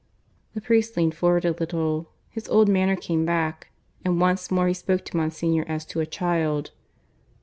The priest leaned forward a little. His old manner came back, and once more he spoke to Monsignor as to a child.